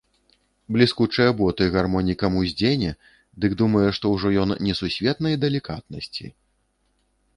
Бліскучыя боты гармонікам уздзене, дык думае, што ўжо ён несусветнай далікатнасці.